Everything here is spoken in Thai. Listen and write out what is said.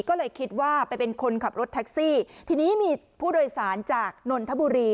ก็เลยคิดว่าไปเป็นคนขับรถแท็กซี่ทีนี้มีผู้โดยสารจากนนทบุรี